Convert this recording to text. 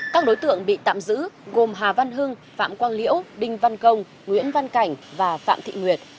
các đối tượng bị tạm giữ gồm hà văn hưng phạm quang liễu đinh văn công nguyễn văn cảnh và phạm thị nguyệt